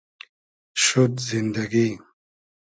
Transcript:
شود زیندئگی